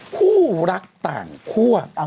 คู่รักต่างคั่ว